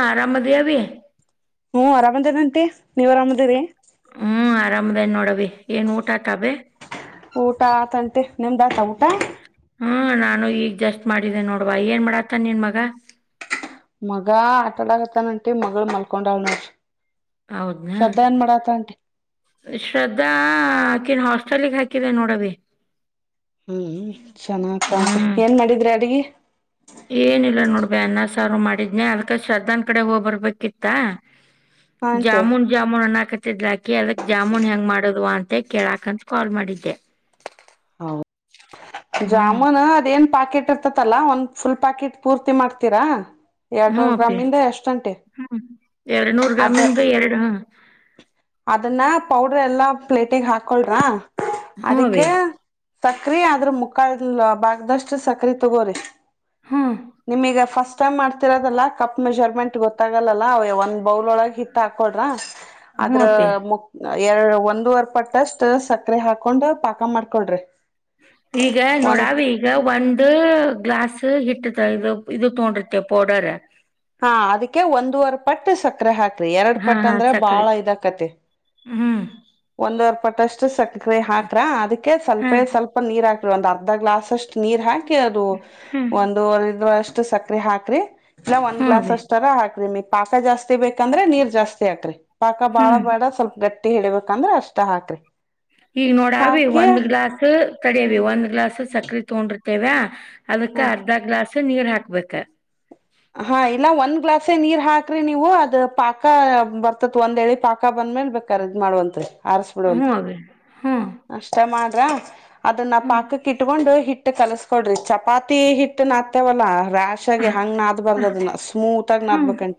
ಹಾ ಆರಾಮದೇವಿ. ಹ್ಮ್ ಅರಾಮದೇಂತೆ ನೀವ್ ಅರಾಮದಿರಿ. ಆರಾಮ್. ನೋಡವಿ ಏನ್ ಊಟಟಬೆ. ಊಟಾ ತಂಟೆ ನಿಮ್ದಾತ ಊಟ [unintelligible] ಹ್ಮ ನಾನು ಈಗ ಜಸ್ಟ್ ಮಾಡಿದೆ ನೋಡವಾ ಏನ್ ಮಾಡಾತ್ತನ್ ನಿನ್ ಮಗ. ಮಗ ಆಟ ಆಡ ಆಗತ್ತಾನಂಟಿ ಮಗಳು ಮಲ್ಕೊಂಡಳ ನೋ ಹೌದನಾ [unintelligible] ಶ್ರದ್ಧಾಕನ್ ಹಸ್ ಮಟಲ್ಲಿಗ್ ಹಾಕಿದೆ ನೋಡ ಭ [unintelligible] ಹ್ಮ್ ಚೆನ್ನಾಗ್ತ ಏನ್ ಮಾಡಿದ್ರಿ ಅಡಿಗೆ ಏನಿಲ್ಲ ನೋಡ್ಬ ಅನ್ನ ಸಾರು ಮಾಡ. ಜ್ಞ ಅಲ್ಕ ಶ್ರದ್ಧಾನ್ ಕಡೆ ಹೋಗ್ಬರ್ಬೇಕಿತ್ತ ಹಾ ಅಂಟಿ ಜಾಮುನ್ ಜಾಮುನ್ ಅನ [unintelligible] ಕೇ ಅದಕ್ ಜಾಮೂನ್ ಹೆಂಗ್ ಮಾಡ್ ಮದೇ ಕೇಳಾಕ್ಂತ ಕಾಲ್ ಮಾಡಿದ್ದೆ ಹೌದು [unintelligible] ಹ್ಮ್ ಜಾಮೂನ್ ಅದೇನ್ ಪಾಕೆಟ್ ಇರ್ತತಲ್ಲಾ ಒಂದ್ ಫುಲ್ ಪ್ಯಾಕೆಟ್ ಪೂರ್ತಿ ಮಾಡ್ತೀರಾ ಹ್ಞೂ ಎರಡ್ನೂರು ಗ್ರಾಮಿಂದ ಎಷ್ಟು ಗಂಟೆ ಎರಡ್ನೂರ್ ಗ್ರಾಮಿಂದು ಎರಡು ಹ [unintelligible] ಪೌಡರ್ ಎಲ್ಲಾ ಪ್ಲೇಟಿಗೆ ಹಾಕಳ್ರಾ ಹ್ಞೂ ಅವಿ ಅದಕ್ಕೆ ಸಕ್ರೆ ಆದ್ರ ಮುಕ್ಕಾ ಲ್ಲ ಬಾಗ್ದಷ್ಟ ಸಕ್ಕರೆ ತಗೋರಿ ಹ್ಮ್ ನಿಮಗ ಫಸ್ಟ್ [unintelligible] ಮಾಡ್ತಿರೋದಲ್ಲ ಕಪ್ ಮೆಜರ್ಮೆಂಟ್ ಗೊತ್ತಾಗಲ್ಲ ಅವೆ ಒಂದ ಹಿ ಹಾಕ್ರ ಹ್ಞೂ ಅದ್ರ ಅಪ್ಪಿ [unintelligible] ಎರಡ್ ಒಂದುವರ್ ಪಟ್ಟಷ್ಟ ಸಕ್ಕರೆ ಹಾಕೊಂಡ್ ಪಾಕ ಮಾಡ್ಕೊಳ್ರಿ ಈಗ ಒಂದ್ ನೋಡಾವಿ ಈಗ ಒಂದು ಗ್ಲಾಸ್ ಹಿಟ್ಟತ ಇದು ಇದು ತೊಂಡಿರತಿ ಪೌಡರ್ ಹಾ ಅದಕ್ಕೆ ಒಂದೂವರೆ ಪಟ್ಟ ಸಕ್ಕರೆ ಹಾಕ ರಿ ಎರಡ್ ಹಾ ಪಟ್ಟ ಹಾ ಅಂದ್ರ ಸಕ್ರಿ ಬಾಳ ಇದಾಕತಿ ಹ್ಮ್ ಒಂದ್ವರೆ ಪಟ್ಟಷ್ಟು ಸಕ್ಕರೆ ಹಾಕ್ರ ಅದಕ್ಕೆ ಹಾ ಸ್ವಲ್ಪೇ ಸ್ವಲ್ಪ ನೀರ ಹಾಕ್ತ ಒಂದ್ ಅರ್ಧ ಗ್ಲಾಸ್ಷ್ಟು ನೀರ್ ಹಿ ಅದು ಹ್ಮ್ ಒಂದವ್ ಅಷ್ಟು ಸಕ್ಕರೆ ಹಾಕ್ರಿ ಇಲ್ಲ ಒಂದ ಗ್ಲಾಸ್ ಹೂನ್ರಿ ಅಷ್ಟರ ಹಾಕರಿ ಮ ಪಾಕ ಜಾಸ್ತಿ ಬೇಕಂದ್ರೆ ನೀರ್ ಜಾಸ್ತಿ ಹಾಕ್ರಿ ಪಾಕ ಬಾಳ ಹ್ಮ್ ಬೇಡ ಸ್ವಲ್ಪ ಗಟ್ಟಿ ಹೇಳ ಂದ್ರೆ ಅಷ್ಟ ಹಾಕ್ರಿ ಈಗ ನೋಡ ಅವಿ ಹಾಕಿ ಒಂದ್ ಗ್ಲಾಸ್ ತಡಿಯವಿ ಒಂದ್ ಗ್ಲಾಸ್ ಸಕ್ಕ ಸಕ್ರಿ ತಗೊಂಡಿರ್ತೇವೆ ಅದಕ್ಕೆ ಹ ಅರ್ಧ ಗ್ಲಾಸ್ ಸ ನೀರ್ ಹಾಕ್ಬೇಕ ಹಾ ಇಲ್ಲ ಒಂದ್ ಗ್ಲಾಸೆ ನೀರ್ ಹಾಕ್ರಿ ನೀವು ಅದ ಪಾಕ ಬರ್ತತ್ ಒಂದೇಳಿ ಪಾಕ ಬಂದ ಮೇಲ್ ಬೇಕ್ರ ಇದ ಮಾಡುವಂತ್ರಿ ಆರಸ್ ಹ್ಞೂ ಬಿಡಂತ್ರಿ ಅವಿ ಹ್ಞೂ ಅಷ್ಟ ಅದನ್ನ ಹ್ಞೂ ಪಾಕಕ್ ಇಟ್ಕೊಂಡು ಹಿಟ್ಟ ಕಲ್ಸ್ಕೊಡ್ರಿ ಚಪಾತಿ ಹಿಟ್ಟ ನಾದತೇವಲ್ಲಾ ರ್ಯಾಶ್ ಆಗಿ ಹಂಗ ಹ್ಞೂ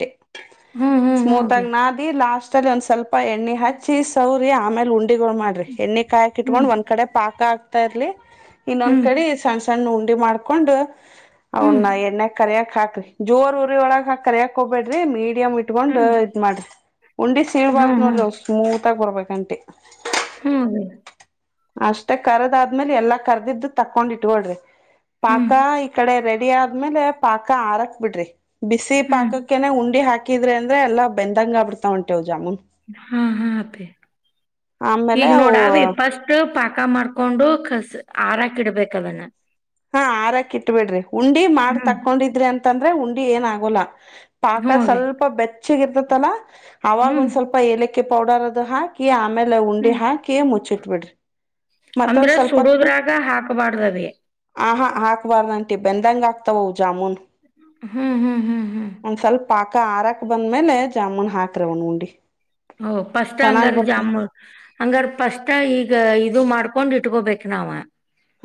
ಹ್ಞೂ ಹ್ಞೂ ಹ್ಞೂ ಅವಿ ಸ್ಮೂತಯಾಗಿ [unintelligible] ಲಾಸ್ಟ್ ಅಲ್ಲಿ ಒಂದ್ ಸ್ವಲ್ಪ ಎಣ್ಣೆ ಹಚ್ಚಿ ಸೌರಿ ಆಮೇಲೆ ಉಂಡ ಮಾಡ್ರಿ ಎ್ಣ ಕಾಯಿಟ್ಕೊಂಡ್ ಹ್ಞೂ ಒಂದ್ ಕಡೆ ಪಾಕ್ ತ ಇರಲಿ ಹ್ಞೂ ಇನ್ನೊಂದ್ ಕಡೆ ಸಣ್ಣ ಸಣ್ಣ ನೋ ಮಾಡ್ಕೊಂಡು ಅವನ್ನ ಎನ ಕರೆಯ ಹಾಕ್ರರಿ ಜೋರ್ ಊರಿ ಒಳಗೆ ಹಾ ಕರಿಯಕ್ಕಬೇಡ್ರಿ ಮ ಡಿಯ ಇಟ್ಕೊಂಡ ಹ್ಞೂ ಇದ್ ಮಾಡ ಉಂಡಿ ಹ್ಞೂ ಹ್ಞೂ ಸೀಳ್ಬಾರ್ದು ನೋಡ್ರ ಅವ ಸ್ಮೂತ್ ಇತ್ತಗ ಬರ್ಬೇಕ್ ಆಂಟಿ. ಹ್ಮ್ ರಿ ಅಷ್ಟೇ ಕರದ ಆದ್ ಮೇಲ್ ಎಲ್ಲಾ ಕರ್ದಿದ್ದು ತಕೊಂಡ್ ಇಟ್ಟಿಗೊಳ್ರಿ. ಹ್ಞೂ ಪಾಕ ಇಕಡೆ ರೆಡ್. ರೆಡಿ ಆದ್ಮೇಲೆ ಪಾಕ ಆರಕ್ ಬಿಡ್ರಿ. ಬಿಸಿ ಹ್ಞೂ ಪಾಕಕ್ಕನೆ ಉಂಡಿ ಹಾಕ್ ಹಾಕಿದ್ರಿ ಅಂದ್ರೆ ಎಲ್ಲ ಬೆಂದಂಗ ಆಗ್ ಬಿಡ್ತಾವ ಆಂಟಿ ಅವು ಜಾಮೂನ್. ಹಾ ಹಾ ಅಪ್ಪಿ ಆಮೇಲೆ ಈಗ್ ಅವು ನೋಡಾ ಅವಿ ಪಸ್ಟ್ ಪಾಕ್ ಪಾಕ ಮಾಡ್ಕೊಂಡು ಕಸ್ ಆರಕ್ ಇಡ್ಬೇಕ ಅದನ್ನ. ಹಾ ಆರಾಕ ಇಟ್ ಬಿಡ್ರಿ. ಉಂಡಿ ಮಾಡ್ ಹ್ಮ್ ತಕ್ಕೊಂಡಿದ್ರಿ ಅಂದ್. ಅಂತಂದ್ರೆ ಉಂಡಿ ಏನ ಆಗೋಲ್ಲ. ಹ್ಞೂ ಪಾಕ ಅಭಿ ಸ್ವಲ್ಪ ಬೆಚ್ಚಗ ಇರ್ತತಲ್ಲ ಅವಾಗ ಹ್ಮ್ ಒಂದ್ ಸ್ವಲ್ಪ ಎಲೆಕ್ ಕಿ ಪೌಡರ್ ಅದು ಹಾಕಿ. ಕಿ ಆಮೇಲ ಉಂಡಿ ಹಾಕಿ ಮುಚ್ಚಿಟ್ ಬಿಡ್ರಿ. ಅಂದ್ರೆ ಸುಡುದ್ರಾಗ ಹಾಕಬಾರ್ದರಿ. ಹಾಕ್ಬಾರ್ದಂಟೀ ಬೆಂದಂಗ ಆಗ್ತಾವ ಅವು ಜಾಮೂನು. ಹ್ಮ್ ಹ್ಮ್ ಹ್ಮ್ ಹ್ಮ್. ಸ್ವಲ್ಪ ಪಾಕ ಆರಾಕ್ ಬಂದ್ಮೇಲೆ ಜಾಮೂನ್ ಹಾಕ್ರಿ ಅವ್ನ ಉಂಡಿ. ಓ ಪಸ್ಟ್ ಚೆನ್ನಾಗ್ ಹಂಗಾರ ಬರ್ತ ಜಾಮೂನ ಹಂಗಾರ ಪಸ್ಟ್ ಈಗ ಇದು ಮಾಡ್. ಕರ್ಕೊಂಡ್ ಇಟ್ಕೋಬೇಕ ನಾವ.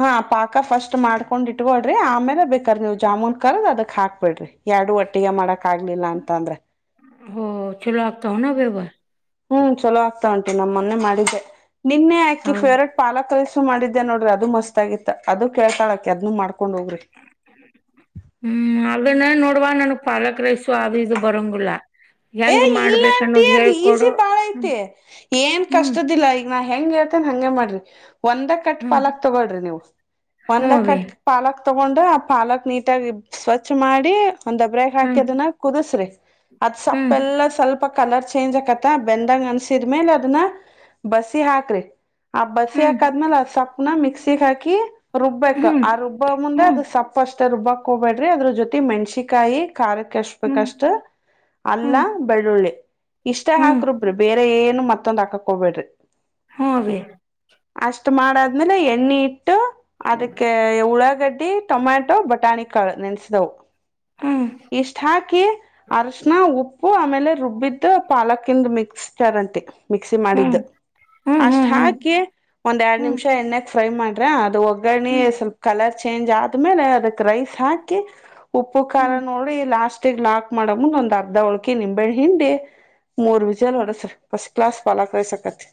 ಹಾ ಪಾಕ ಫಸ್ಟ್ ಮಾಡ್ಕೊಂಡ್ ಇಟ್ಕೋಳ್ರಿ ಆಮೇಲ ಬೇಕರ ನೀವು ಜಾಮೂನ್ ಕರ್ದ್ ಅದಕ್ ಹಾಕ್ಬಿಡ್ರಿ. ಎರಡು ಒಟ್ಟಿಗೆ ಮಾಡಕ್ ಆಗ್ಲಿಲ್ಲ ಅಂತ ಅಂದ್ರೆ. ಹೊ ಚಲೋ ಆಗ್ತವ ಎನ್ ಬೆ ಅವು. ಹ್ಮ್ ಚಲೋ ಆಗ್ತಾವ ಆಂಟಿ ನ ಮನ್ನೆ ಮಾಡಿದ್ದೆ. ನಿನ್ನೆ ಆಕಿ ಹೌದ್ ಫೇವ್ರೇಟ್ ಪಾಲಕ್ ರೈಸ್. ಮಾಡಿದ್ದೆ ನೋಡ್ರಿ ಅದು ಮಸ್ ಆಗಿತ್ತ ಅದು ಕಳ್ತಾಳಕಿ ಅದ್ನು ಮಾಡ್ ಹ್ಮ್ ಅದೆ ನೀನಾ ನೋಡವ ನನ್ಗ್ ಪಾಲಕ್ ರೈಸು ಅದು ಇದು ಬರಂಗಿಲ್ಲ. ಏ ಹೆಂಗ್ ಮಾಡ್ಬೇಕ್ ಇಲ್ಲಾಂಟಿ ಅನ್ನೋದ್ ಅದ್ ಹೇಳ್ಕೊಡು. ಈಸಿ ಬಾಳ ಐತಿ ಹ್ಮ್ ಏನ್ ಹ್ಮ್ ಕಷ್ಟದಿಲ್ಲ ಈಗ ನಾ ಹೆಂಗ ಹೇಳ್ತೇನ್ ಹಂಗೆ ಮಾಡ್ರಿ ಒಂದ ಕಟ್ ಹ್ಮ್ ಪಾಲಕ್ ತಗೋಳ್ರಿ ನೀವು ಹ್ಞೂ ಒಂದ ಅಭಿ ಕಟ್ ಪಾಲಕ್. ತೊಗೊಂಡು ಆ ಪಾಲಕ್ ನೀಟಾಗಿ ಸ್ವಚ್ ಮಾಡಿ. ಒಂದ ಡಬ್ರಾಗ ಹಾಕಿ ಹ್ಮ್ ಅದನ್ನ ಕುದುಸ್ರಿ. ಅದ್ ಸಪ್ ಹ್ಮ್ ಬೆಲ್ಲ ಸ್ವಲ್ಪ. ಕಲರ್ ಚೇಂಜ್ ಆಗೈತಿ ಬೆಂದಂಗ್ ಅನ್ಸಿದ ಮೇಲೆ ಅ. ಬಸಿ ಹಾಕ್ರಿ. ಆ ಬಸಿ ಹ್ಮ್ ಹಾಕಾದ್ಮೇಲೆ ಸಪ್ಪನ ಮಿಕ್ಸ್ಿ. ಸಿೆಖಾಕಿ. ರುಬ್ಬಬೇಕು ಹ್ಮ್ ಆ ರುಬ್ಬ ಮುಂದೆ ಹ್ಮ್ ಅದು ಸಪ್ಪಷ್ಟು. ಷ್ಟ ರುಬ್ಬಾಕ್ ಹೋಗಬೇಡ್ರ ಅದ್ರ ಜೊತೆ ಮಣ್ಸಿಕಾಯಿ. ಖಾರಕ್ಕೆ ಎಷ್ಟ ಹ್ಮ್ ಬಷ್ಟ. ಅಲ್ಲ ಹ್ಮ್ ಬೆಳ್ಳುಳ್ಳಿ ಇಷ್ಟ ಹ್ಮ್ ಹಾಕ್ರೊಬ್ರ ಬೇರೆ. ಏನು ಮತ್ತೊ್ ಹಾಕಕ್ ಹೋಗಬೇಡ್ರಿ. ಹ್ಮ ರೀ ಅಷ್ಟ್ ಮಾಡಾದ್ಮೇಲೆ ಎಣ್ಣೆ ಇ. ಬಿ ಅದಕ್ಕೆ ಎಳ. ಗಡ್ಡಿ ಟೊಮ್ಯಾಟೊ ಬೊಟಾನಿಕಲ್ ನೆನ್ಸಿದವು. ಹ್ಮ್ ಇಷ್ಟ ಹಾಕೆ ಅರ. ಉಪ್ಪು ಆಮೇಲೆ ರುಬ್ಬಿದ್ದು ಪಾಲಕಿಂದು ಮಿಕ್ಸ್ಚರ್ಂಟಿ. ಮಿಕ್ಸಿ ಹ್ಮ್ ಮಾಡಿದ್ದು ಹ್ಮ್ ಅಷ್ಟು ಹ್ಮ್ ಹ್ಮ್ ಹಾಕಿ ಒಂದ ಎರಡು ಹ್ಮ್ ನಿಮಿಷ ಎಣ್ಣೆಕ್. ಫ್ರೈ ಮಾಡ್ರೆ ಅದು ಹೋಗ. ಿ ಹ್ಮ್ ಸ್ವಲ್ಪ ಕಲರ್. ಚೇಂಜ್ ಆದ್ಮೇಲೆ ಅದಕ್ ರೈಸ್ ಹಾಕಿ. ಉಪ್ಪು ಾಲ ಹ್ಮ್ ನೋಡ್ರಿ ಲಾಸ್ಟ್. ಲಾಕ್ ಮಾಡ ಒ. ಅರ್ಧ ಹೋಳಕೆ ನಿಂಬೆಳ ಹಿಂಡಿ ಮೂರ್ ವಿಜಯ ನೋಡಸರಿ ಫಸ್ಟ್ ಕ್ಲಾಸ್ ಪಾಲ ಕಸಕತಿ.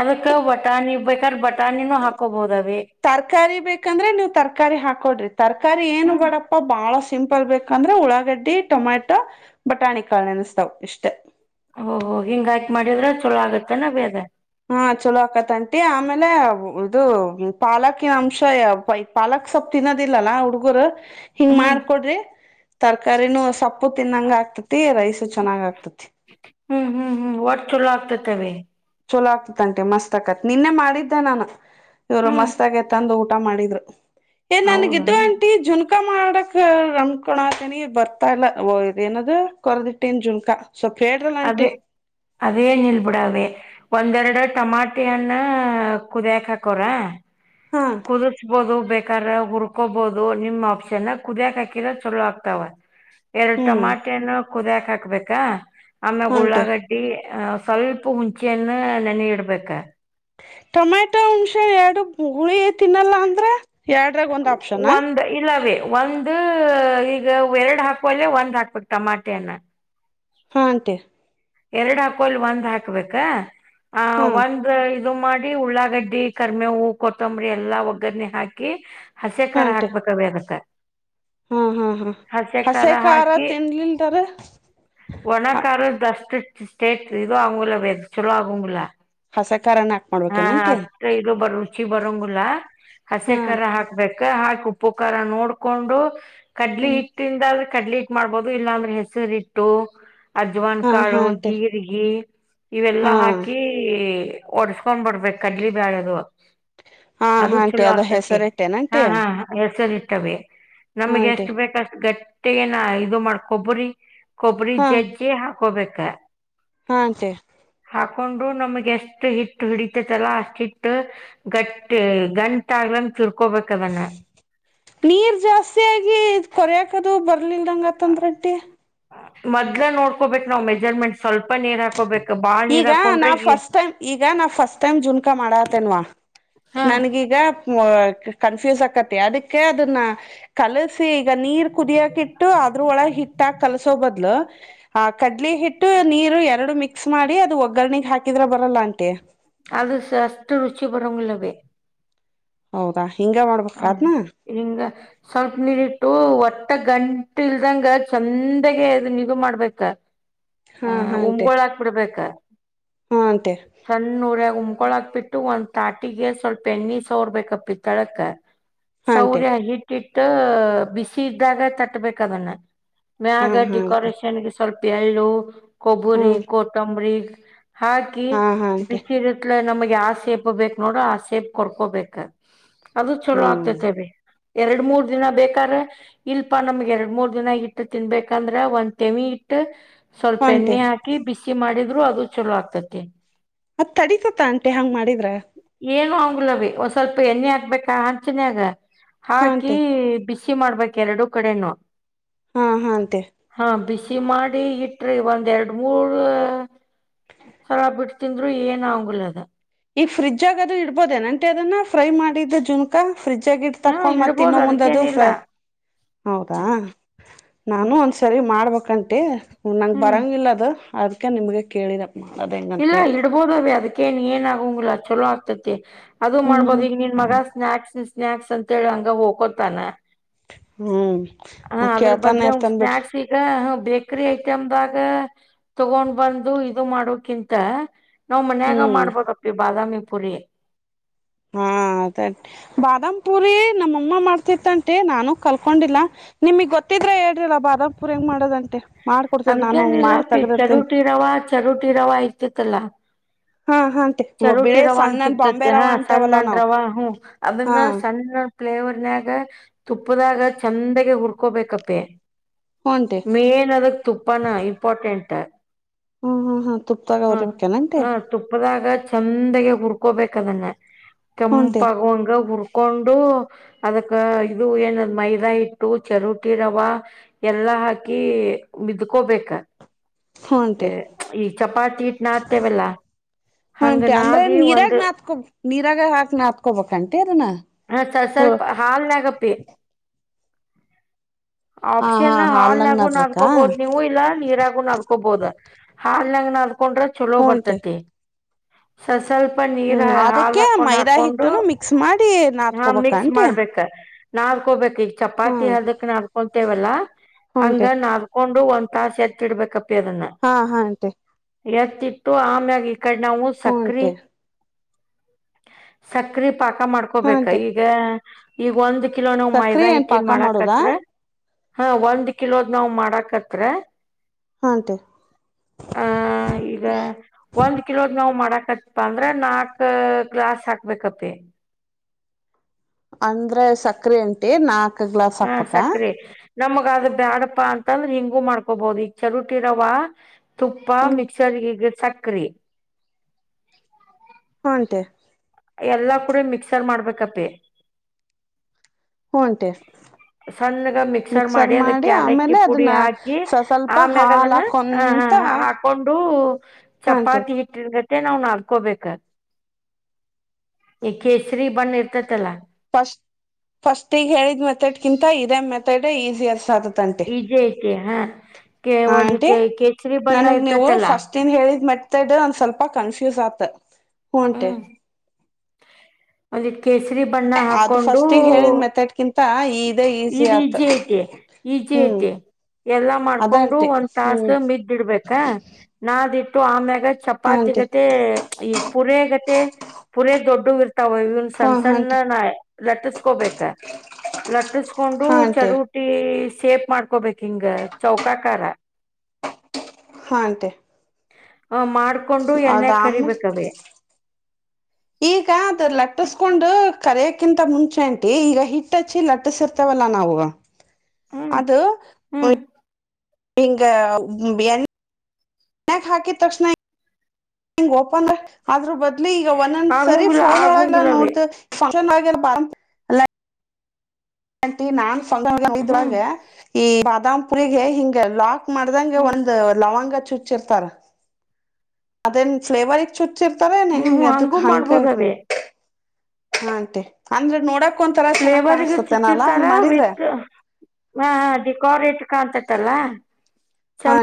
ಅದ ಕ ಬಟ ನೀವು ಬೇಕರ್ ಬಟ್ಟ. ತಾನಿನ ಹಾಕೋಬಹುದವೇ. ಯಾಂದ್ರೆ ನೀವು ತರಕಾರಿ ಹಾಕೊಡ್ರಿ. ತರಕಾರಿ ಏನು ಹ್ಮ್ ಬೇಡಪ್ಪ ಬಾಳಷ್ಟ. ಸಿಂಪಲ್ ಬೇಕಂದ್ರೆ ಉಳ್ಳಾಗಡ್ಡಿ ಟೊಮ್ಯಾಟೊ ಬಟಾಣಿಕಲ್ ನೆನೆಸ್ತಾವ್ ಇಷ್ಟೇ. ಓಹೋ ಹಿಂಗ ಹಾಕಕ್ ಮಾಡಿದ್ರೆ ಚಲೋ ಆಗತ್ತೆನ ಬೇದ. ಹಾ ಚಲೋ ಅಕ್ಕತ್ಂಟಿ ಆಮೇಲೆ ಇದು ಪಾಲಕಿನ ಅಂಶ ಪಾಲಕ್ ಸ್ವಲ್ ತಿನ್ನೋದಿಲ್ಲಲ ಹುಡ್ಗರು. ಹಿಂಗ ಹ್ಮ್ ಮಾಡ್ಕೊಡ್ರಿ. ತರಕಾರಿನೂ ಸೊಪ್ಪು ತಿನ್ನಂಗ ಆಗ್ತತಿ ರೈಸು ಚೆನ್ನಾಗ್ ಆಗ್ತತಿ. ಹ್ಮ್ ಹ್ಮ್ ಹ್ಮ್ ಒಟ್ ಚಲೋ ಆಗ್ತತಿ. ಕವೆೇ. ಚಲೋ ಆಗ್ತಿತ್ಂಟೆ ಮಸ್ತ್ ಆಕತ್ ನಿನ್ನೆ ಮಾಡಿದ್ದೆ ನಾನು ಇವ್ರು ಹ್ಮ್ ಮಸ್ತ್ ಆಾಗೆ ತಂದು ಊಟ ಮಾಡಿದ್ರು ಏ ನನ್ಗು ಹೌದನು ಆಂಟಿ ಜುನ್ಕಾ ಮಾಡ ನಡಕ್ ರಮ್ಕೊಳತಿನಿ ಬರ್ತಾ ಇಲ್ಲ ಇದ ಏನದು ಕೊರದಿಟ್ಟನ್ ಜುನ್ಕಾ ಸ್ವಲ್ಪ ಹೇಳ್ರಲ್ಲ ಆಂಟಿ ಅದೇ ಅಲ್ ಬಿಿಡಾವೆ ಒಂದೆರಡು ಟಮಾಟ ಅನ್ನ ಕುದಿಯಕ್ ಹಾಕ್ರ ಹಾ ಕುದಸ್ಬೋದು ಬೇಕ ಕಾರ ಹುರ್ಕೋಬಹದು ನಿಮ್ ಆಪ್ಷನ್ ಕುದಿಯಕ್ ಹಾಕರ ಚಲೋ ಆಗ್ತಾವ ಎರಡು ಹ್ಮ್ ಟಮಾಟೆನು ಕುದ್ಯಾಕ್ ಹಾಕ್ಬೇಕಾ ಆಮೆ ಆಂಟಿ ಗುಳ್ಳಾಗಡ್ಟ್ಟಡಿ ಆ ಸ್ವಲ್ಪ ಹಂಚೆಯನ್ನ ನೆನ ಇಡ್ಬೇಕ ಟೊಮೆಟೊ ಹುಣ್ಸೆ ಎರಡು ಗುಳಿ ತಿನ್ನಲ್ಲ ಅಂದ್ರ ಎರಡ್ರಾಗ ಒಂದ್ ಆಪ್ಷನಾ ಒಂದ ಈಗ ಎರಡ್ ಹಾಕುವಲ್ಲೆ ಒಂದ್ ಹಾಕ್ಬೇಕು ಟಮಾಟೆಯನ ಹಾ ಅಂತೆೇ ಎರಡ್ ಹಾಕೋಲ್ ಒಂದ್ ಹಾಕ್ಬೇಕ ಹ ಹಾ ಒಂದ ದು ಮಾಡಿ ಉಳ್ಳಾಗಡ್ಡಿ ಕರ್ಮೆ ಹೂವು ಕೊತ್ತಂಬರಿ ಎಲ್ಲಾ ಒಗ್ಗರ್ರಣೆ ಹಾಕಿ ಹಾ ಹಸಿ ಾರ ಆಂಟಿ ಹಾಕ್ಬೇಕಾವೆ ಅನತ್ತ ಹಾ ಹಾ ಹಾ ಹಸೆ ಖಾರ ತಿನ್ಲಲ್ತಾರ ಹ ್ಟೇಟ್ ಇದು ಆ ಚಲ ಆಗ [unintelligible] ಹಸೆ ಖಾರನ ಹಾಕ್ ಹಾ ಹ ಮಾಡ್ಬೇಕೇನಂಟಿ ಅಷ್ಟ ಇದು ಬರ ರುಚಿ ಬರಂಗಲ್ಲಾ ಹಸಿ ಹಾ ಖರ ಹಾಕ್ಬೇಕ ಹಾಕ ಉಪುಕಾರ ನೋಡ್ಕೊಂಡು ಕಡ್ಲಿ ಹ್ಮ್ ಹಟ್ಟಿಂದಲ್ ಕಡ್ಲಿ ಇಟ್ ಮಾಡ್ಬೋದು ಇಲ್ಲಾಂದ್ರೆ ಹೆಸರಿ ಇಟ್ಟು ಅಜ್ವಾನ್ ಹಾ ಹಾ ತಕ್ಕಾಳು ಆಂಟಿ ಜೀರಿಗೆ ಇವೆಲ್ಲಾ ಹಾ ಹಾಕಿ ಹಾ ಒಡ್ಸ್ಕೊಂಡ್ ಬಿಡ್ಬೇಕು ಕಡ್ಲಿ ಬ್ಯಾಳ ಅದು ಅದು ಹಾ ಆಂಟಿ ಚಲೋ ಅದ ಆಗ್ತತಿ ಹೆಸರಿಟ್ಟೇನ ಹಾ ಆಂಟಿ ಹಾ ಹೆಸರಿ ಇ ಟ್ಟವೆ ನಮ್ಗೆ ಆಂಟಿ ಎಷ್ಟು ಬೇಕಷ್ಟು ಗಟ್ಟ ಮೆ ಏನ ಇದು ಮಾಡ್ಕೊಬ್ರಿ. ಕೊಬರಿ ಹಾ ಚಜಜೆ. ಹಕೋಬೇಕ. ಹಾ ಸ ಹಾಕೊಂಡು ನಮಗೆ ಎಷ್ಟ್ ಹಿಟ್ಟು ಹಿಡಿತತಲ್ಲ ಅಷ್ಟ ಹಿಟ್ಟ ಗಟ್ಟ ಗಂಟ್ ಆಗ್ಲಂಗರ್. ನೀರ್ ಜಾಸ್ತಿಯಗಿ ಕೊರೆಯಕದು ಬರ್. ಇರ್ಲಲ್ಂಗ ತಂದ ರೆಡ್ಟ್ಟಡಿ. ಮೊದ್ ನೋಡ್ಕೋಬೇಕು ನಾವ್ ಮೆಜರ್ಮೆಂಟ್ ಸ್ವಲ್ಪ. ನೀರ್ ಹಾಕೋಬೇಕು ಬಾಳ ನೀರ್ ಈಗ ಹಾಕೊಂಡ್ರೆ ನಾವ್ ಫಸ್ಟ್ ಟೈಮ್ ಈಗ ನಾವ್ ಫಸ್ಟ್ ಟೈಮ್ ಜುನ್ಕಾ ಮಾಡತೇನ್ವಾ. ಹಾ ನನ್ಗೀಗ ಕನ್ಫ್ಯೂಸ್ ಆಕತಿ ಅದಕ್ಕೆ ಅದನ್ನ ಕಲಸಿ. ಈಗ ನೀರ್ ಕುದಿಯಕ ಇಟ್ಟು ಅದ್ರ ಒಳಗೆ ಹಿಟ್ಟ. ಕಸೋ ಬದ್ ಆ ಕಡ್ಲಿ ಹಿಟ್ಟ ನೀ. ಎರಡು ಮಿಕ್ಸ್ ಮಾಡಿ ಅದು ಒಗ್ಗರ್ರಣೆಗೆ ಹಾಕಿದ್ರ ಬರಲ್ಲ ಅಂಟಿ. ಅದು ಸ ಅಷ್ಟು ರುಚಿ ಪರವಂಗಲ್ಲವೇ. ಹೌದಾ ಹಿಂಗ ಮಾಡ್ಬೇಕ ಹ್ಮ ಅದ್ನ ಹಿಂಗ ಸ್ವಲ್ಪ ನೀರಿಟ್ಟು ಒಟ್ಟಕ್ಕೆ. ಗಂಟು ಇಲ್ದಂಗ ಚಂದಾಗ ಅದ ನಿಗೂ ಮಾಡ್ಬೇಕ. ಹಾ ಹ ಹಾ ಅಂಟಿ ಉಮ್ಗಳ ಹಾಕ್ ಬಿಡ್ಬೇಕಾ ಹಾ ಅಂಟಿ [inaudible] ಸಣ್ಣೂರ. ತಕೊಳಾಕ್ ಬಿಟ್ಟು ಒಂದ್ ತಾಟಿಗೆ ಸ್ವಲ್ಪ ಎಣ್ಣಿ ಸೋರ್ಬೇಕ ಪಿತ್ತಳಕ್. ಹಾ ಅಂಟಿ ಸೌರ್ಯ ಹಿಟ್ಟಿಟ್ಟು. ಬಿಸಿ ಇದ್ದಾಗ ತಟ್ಬೇಕ ಅದನ್ನ. ಮ ಹಾ ಅಗ ಹಾ ಅಂಟಿ ಡೆಕೋರಷನ್. ತರ್ಪಿಯ ಇಲೋ. ಕೊಬರಿ ಹ್ಮ್ ಕೊತಂಬ್ರಿ. [inaudible] ಹಾಕಿ ಹಾ ಹಾ ಅಂಟಿ ಬಿಟ್ಟಿರತ್ಲೆ ನಮಗೆ. ಆ ಸೇಪ್ ಬೇಕ ನೋಡ್ರ ಆ ಸೇಪ್ ಕೊರ್ಕೋಬೇಕ. ಚಲೋ ಹ್ಮ್ ಆಗ್ತತೆ ಎರಡ್ ಮೂರ್ ದಿನ ಬೇಕ. ಇಲ್ಪಾ ನಮ್ಗ್ ಎರಡ್ ಮೂರ್ ದಿನ ಇಟ್ಟು ತಿನ್ಬೇಕಂದ್ರ ಒಂದ್ ತೆಮಿ ಇಟ್ಟ. ಸ್ವಲ್ಪ ಹಾ ಅಂಟಿ ಎಣ್ಣೆ ಹಾಕಿ ಬಿಸಿ ಮಾಡಿದ ರು ಅದು ಚಲೋ ಆಗ್ತತಿ. ಅದ ತಡಿತೈತಿ ಅಂಟೆ ಹಂಗ್ ಮಾಡಿದ್ರ. ಏನು ಆಂಗ್ಲಿವ್ ಅವಿ ಒಂದ್ ಸ್ವಲ್ಪ ಎಣ್ಣೆ ಹಾಕ್ಬೇಕಾ ನ್ಯಾಗ. ಹಾ ಹಾಕಿ ಆಂಟಿ ಬಿಸಿ. ಖುಷಿ ಮಾಡ್ಬೇಕ್ ಎರಡು ಕಡೆನು. ಹಾ ಹಾಂತೆ. ಹಾ ಬಿಸಿ ಮಾಡಿ ಇಟ್ರಿ ಒಂದ್ ಎರಡ್ ಮೂರ್ ಸಲ ಬಿಟ್ಟತಿಂದರು ಏನ್ ಆಂಗಲ. ಈ ಫ್ರಿಜ್ಜ ಆಗ ಅದು ಇಡ್ಬೋದೇ ಆಂಟಿ ಅದನ್ನ ಫ್ರೈ ಮಾಡಿದ್ದ ಜುನ್ಕಾ. ಫ್ರಿಜ ಆಗಿ ಇಟ್ಟು ಹ್ಮ್ ತಕೊಂಡ್ ಮತ್ತ ಇಡ್ಬೋದು ತಿನ್ನೊ ಮುಂದ ಅದಕ್ಕೇನಿಲ್ಲ ಹೌದಾ. ನಾನು ಒಂದ್ಸರಿ ಮಾಡ್ಬೇಕಂತೆೆ. ಹ ನಂಗೆ ಹ್ಮ್ ಬರಂಗಿಲ್ಲ ಅದು. ಅದಕ್ಕೆ ನಿಮಗೆ ಕೇಳಿದೆ. ಮಾಡೋದ್ ಇಲ್ಲ ಹೆಂಗಂತೇಳಿ ಇಡ್ಬೋದವೇ ಅದಕ್ಕ ಕ್ಕೇನ್ ಏನ ಆಗಂಗಿಲ್ಲ ಚಲೋ ಆಗ್ತತಿ. ಅದು ಹ್ಮ್ ಮಾಡ್ಬಹದು ಹ್ಮ್ ಈಗ ನಿನ್ ಮಗ ಸ್ನಾಕ್ಸ್ ಸ್ನಾಕ್ಸ್ ಅಂತೇಳಿ ಹಂಗ ಹೋಗಕೋತಾನ. ಹ್ಮ್ ಹ ಅದ್ರ ಕೇಳ್ತಾನ ಬದ್ಲೆ ಅವ ಇರ್ತನ್ ಬಿಡ್ರಿ ಸಸ್ನಾಕ್ಸ್ ಈಗ ಬೇಕರಿ ಐಟಂ ದಾಗ ತಗೊಂಡ್ ಬಂದು ಇದು ಮಾಡೋಕಿಂತ. [inaudible] ನಾವ್ ಮನ್ಯಾಗ ಹ್ಮ್ ಮಾಡ್ಬಬೇಕಪ್ಪಿ ಬಾದಾಮಿ [inaudible] ಹಾ ಅ ಬಾದಾಮ ಪುರಿ ನಮ್ಮಮ್ಮ ಮಾಡ್ತಿತ್ತಂಟಿ ನಾನ. ಕಲ್ಕೊಂಡಿಲ್ಲ ನಿಮಗ್ ಗೊತ್ತ ಗೊತ್ತಿದ್ರೆ ಹೇಳ್ರಲ್ಲ ಬಾದಾಮಿ ಪುರಿ ಹೆಂಗ ಮಾಡೋದಂತ. ಅದಕೇನ್ ಇಲ್ಲ ಪಿ ಚರುೂಟಿ ರವ ಚರುಟಿ ರವ ಇರ್ತೈತೀಅಲ್ವಾ. ಹಾ ಹಾಂಟೆ ಚರೋಟಿ ಬಿಳೆ ರವ ಅನ್ ಸಣ್ಣನ್ ಬಾಂಬೆ ಸಿಗ್ತತಿ ರವ ಹಾ ಅಂತೇವಲ್ಲಾ ಸಣ್ಣಂದ ನಾವ್ ರವ ಹ ಹಾ ಅದನ್ನ ಸಣ್ಣ. ಫ್ಲೇವರ್ನ್ಯಾಗ ತುಪ್ಪದಾಗ ಚಂದಗೆ ಹುಡ್ಕೋಬೇಕಪ್ಪೆ. ಹೂನ್ಟೆ ಮೇನ್ ಅದಕ್ಕ. ತುಪ್ಪಾನ ಇಂಪಾರ್ಟೆಂಟ್ ತ. ಹ್ಮ್ ಹ್ಮ್ ಹ್ಮ್ ತುಪ್ತಾಗ ಹೊರಿಬೇಕನ ಆಂಟಿ. ಚಂದಾಗ ಹುರ್ಕೋಬೇಕ ಅದನ್ನ. ಹೂನ್ಟೆ ಕೆಂಪಾಗು ಹಂಗ ಹುರ್ಕೊ ಹಕೊಂಡು ಅದಕ್ಕ ಇದು ಏನ ಮೈದಾ ಹಿಟ್ಟು ಚರುಟಿ ರವೆ ಎಲ್ಲ ಹಾಕಿ. ಬಿದ್ಕೋಬೇಕ. ಹು ಹಂಟಿ ಈ ಚಪಾತಿ ಹಿಟ್ ನಾದತೇವಲ್ಲ ಹಂಗ ಹಂಟಿ ಅಂದ್ರೆ ನಾದಿ ನೀರಾಗ ಒಂದ್ ನಾತ್ಕೋ ನೀರಾಗ ಹಾಕ್ ನಾತ್ಕೋಬಕ್ಂಟಿ ಅಧ್ನಾ. ಹ ಸ್ವಲ್ಪ ಹಾಲ್ನಾಗಪ್ಪಿ ಹಾ ಆಪ್ಷನ್ ಹಾಲ್ನಾಗ ಹಾಲ್ನಾಗು ನಾತ್ಬೇಕಾ ನಧ್ಕೋಬಹುಧು ನೀವು ಇಲ್ಲಾ ನೀರಾಗು ನಧ್ಕೋಬೋಧು. ಹಾಲ್ ನಾಗ್ ನಾದ. ಹಾಕೊಂಡ್ರೆ ಚಲೋ ಹೂನ್ಟಿ ಬರ್ತತಿ. [unintelligible] ನೀರ್ ಹ್ಮ್ ಹಾಲ್ ಅದಕ್ಕೆ ಹಾಕೊಂಡ್ ಮೈದಾ ಹಾಕೊಂಡು ಹಿಟ್ಟುನು ಮಿಕ್ಸ್ ಮಾಡಿ ನಾತ್ಕೊಬೇಕಂಟಿ. ನಾದಕೋಬೇಕ ಈಗ್ ಚಪ್ಪಾತ್ತಿ ಹಲ್ದಕ್ಕ ನ ಹೋಗ್ತೇವಲ್ಲ ಹೂನ್ಟಿ ಹಂಗಾ ನಾದಕೊ ಕೊಂಡು ಒಂದ್ ತಾಸ ಎತ್ತಿ ಇಡ್ಬೇಕ ಪ ಹಾ ಹಾಂಟಿ. ಹೆತ್ತಿಟ್ಟು ಆಮ್ಯಾಗಿ. ಅಡೆ ನಾವು ಸಕ್ರಿ. ಹೂನ್ಟಿ ಸಕ್ರೀ. ಪಾಕ ಮಾಡ್ಕೋಬೇಕಾ ಹಾಂಟಿ ಈಗ. ಈಗ ಒಂದ ಕಿಲೋ ನೀವು ಸಕ್ರಿ ಮೈದಾ ಏನ್ ಹಿಟ್ಟಿನ ಪಾಕ ಮಾಡೋದಾ ಮಾಡಕತ್ರ. ಹಾ ಒಂದ್ ಕಿಲೋದ್ ನಾವ್ ಮಾಡಾಕತ್ರ. ಹಾಂಟಿ ಹ ಈಗ ಒಂದ್ ಕಿಲೋದ್ ನಾವು ಮಾಡಕ್. ಹಕಪ್ಪ ಅಂದ್ರ ನಾಕ್ ಗ್ಲಾಸ್ ಹಾಕ್ಬೇಕಪ್ಪೆ. ಅಂದ್ರೆ ಸಕ್ರೆ ಅಂಟಿ ನಾಕ್ ಗ್ಲಾಸ್ ಹಾ ಹಾಕ್ಬೇಕ. ಸಕ್ರಿ ನಮಗ ಆದ ಬ್ಯಾಡಪ್ಪಾ ಅಂತಂದ್ರ ಹಿಂಗೂ ಮಾಡ್ಕೊಬಹುದು ಈಗ ಚರುಟಿ ರವ ತುಪ್ಪಾ ಹ್ಮ್ ಮಿಕ್ಸರ್ [unintelligible] ಸಕ್ರಿ ಹಾ ಆಂಟಿ. ಎಲ್ಲಾ ಕೂಡೆ ಮಿಕ್ಸರ್ ಮಾಡ್ಬೇಕಪ್ಪಿ. ಹೂಂಟಿ ಸಣ್ಣಗ ಮಿಕ್ಸರ್ ಮಾಡಿ ಅದಕ್ಕೆ ಯಾಲಕ್ಕಿ ಪುಡಿ ಹಾಕಿ ಸ ಸ್ವಲ್ಪ ಆಮ್ಯಾಗ ಹಾಲ್ ಅದನ್ನ ಹಾ ಹಾಕೊಂತ ಹಾಕೊಂಡು ಹಾಂಟಿ ಚಪಾತಿ ಹಿಟ್ಟಿನಗತೆ ಮತ್ತೆ ನಾವ್ ನಡ್ಕೋಬೇಕ. ಈ ಕೇಸರಿ ಬಣ್ಣ ಇರ್ತತಲ್ಲಾ ಫಸ್ಟ್ ಈಗ ಹೇಳಿದ್ ಮೆತಡ್ಕಿಂತ ಇದೇ ಮೆತಡ್ ಈಸಿ ಅಸ ಆಗತ್ತ. ಹಾ ಆಂಟಿ ಈಜೆ ಐತಿ ಹಾ ಕೆ ಹಾ ಆಂಟಿ ಒಂದಿಟ್ ಕೇಸರಿ ಬಣ್ಣ ನನಗ್ ನೀವು ಇರ್ತತಲ್ಲಾ ಫಸ್ಟ್ ಏನ್ ಹೇಳಿದ್ ಮೆಥಡ್ ಒಂದ ಸ್ವಲ್ಪ ಕನ್ಫ್ಯೂಸ್ ಆಗ್ ಹ ಹು ಆಂಟಿ. ಅಲ್ಲಿ ಕೇಸರಿ ಬಣ್ಣ ಅದು ಹಾಕೊಂಡು ಫಸ್ಟಿಗೆ ಹೇಳಿದ್ ಮೆಥಡ್ಕಿಂತ ಇದೇ ಈಸಿ ಇದ ಆತ ಈಜಿ ಐತಿ ಈಜಿ ಹ್ಮ್ ಐತಿ ಎಲ್ಲಾ ಅದ ಮಾಡ್ಕೊಂಡು ಆಂಟಿ ಒಂದ್ ಹ್ಮ್ ತಾಸ ಮಿಜ್ಜಿಡ್ಬೇಕ ನಾದ್ ಇಟ್ಟ ಟ್ಟು ಆಮೇಗ್ ಹಾ ಆಂಟಿ ಚಪಾತಿಗತ್ತೆ ಈಗ ಪುರೆಗತೆ [unintelligible] ದೊಡ್ಡು [unintelligible] ಇವನ್ ಹಾ ಸಣ್ಣ ಸಣ್ಣ ಆಂಟಿ ನ ಲಟ್ಟಿಸ್ಕೊಬೇಕ ಲಟ್ಟಿಸಕೊಂಡು ಹಾ ಆಂಟಿ ಚರುವುಟಿ ಸೇಪ್ ಮಾಡ್ಕೊಬೇಕಕ್ ಹಿಂಗ ಚೌಕಾಕಾರ ಹಾಟೆ [unintelligible] ಹ ಮಾಡ್ [unintelligible] ಕೊಂಡು ಎನ್ನೆ ಆಮೇಲೆ ಕರಿಬೇಕವೇ ಈಗ ಅದ ಲಟ್ಟಸ್ಕೊಂಡು ಕರೆಯಕ್ಕಿಂತ ಮುಂಚೆ ಉಂಟಿ ಈಗ ಹಿಟ್ಟಚ್ಚಿ ಲಟ್ಟಸಿರ್ತವಲ್ಲ ನಾವು ಹ್ಮ್ ಅದು [unintelligible] ಹ್ಮ್ ಈಂಗ ಎನ್ [unintelligible] ಮ್ಯಾಕ್ ಹಾಕೆ ತಕ್ಷಣ [unintelligible] ಹಂಗ್ ಓಪಂದ ಆದ್ರೂ ಬ [unintelligible] ಲ್ಲಿ ಈಗ ಒಂದೊಂದ್ ಸರಿ ಆಗುಂಗಿಲ್ಲ ಫೋನ್ ಒಳಗ ಆಗುಂಗಿಲ್ಲವೇ ನೋಡ್ತ ವ [unintelligible] ಟ ನಾ [unintelligible] ಸ್ಾಗ ಹ್ಮ್ ಈ [unintelligible] ಪುರರಿಗೆ ಹಿಂಗ ಲಾಕ್ ಮಾಡ್ದಂಗ ಹ್ಮ್ ಒಂದುಲವಂಗ ಚುಚಿರ್ತಾರೆ ಅದೇ ಪ್ಲೇ ವರ್ಕ್ ಚುಟ್ಟಿ ಹಚ್ಚಿರ್ತಾರ ಹ್ಮ್ ನೀಗೆ ಅದಕ್ ಹಂಗೂ ಹಂಗೆ ಮಾಡ್ಬೋದವೇ ಹ ಅಂತೆೆ ಅಂದ್ರೆ ನೋಡಕ್ ಒಂಂತರ ಚೆನ್ನಾಗ್ ಫ್ಲೇವರ್ಗ ಕಾಣ್ತತೆೇನ ಅಲ್ಲಾ ಚುಚ್ಚಿರ್ತಾರ ಹಂಗ್ ಮಾಡಿದ್ರೆ ವಿತ್ ಹಾ ಅ ದಿಕ ರ [unintelligible] ಕಾಣ್ತತಲ್ಲ ಹಾ ಚಲ [unintelligible]